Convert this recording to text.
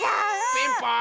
ピンポーン！